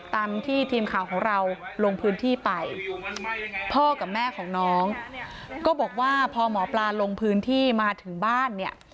ตามที่ทีมข่าวของเราลงพื้นที่ไปพ่อกับแม่ของน้องก็บอกว่าพอหมอปลาลงพื้นที่มาถึงบ้านเนี่ย